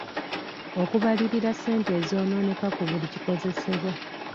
Okubalirira ssente ezonooneka ku buli kikozesebwa.